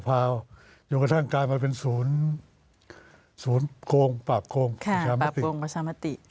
ยังกระทั่งกลายมาเป็นศูนย์ศูนย์ปราบโครงประชามาติ